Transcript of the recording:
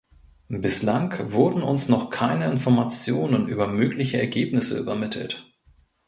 Bislang wurden uns noch keine Informationen über mögliche Ergebnisse übermittelt.